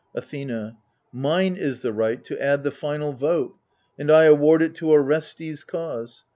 Athena Mine is the right to add the final vote, And I award it to Orestes' cause.